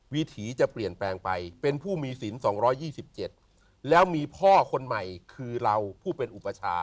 วิถีจะเปลี่ยนแปลงไปเป็นผู้มีศิลป์๒๒๗แล้วมีพ่อคนใหม่คือเราผู้เป็นอุปชา